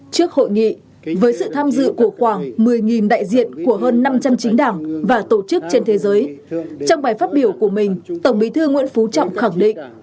trước hội nghị với sự tham dự của khoảng một mươi đại diện của hơn năm trăm linh chính đảng và tổ chức trên thế giới trong bài phát biểu của mình tổng bí thư nguyễn phú trọng khẳng định